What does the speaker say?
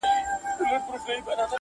• د حق ناره مي کړې ځانته غرغړې لټوم..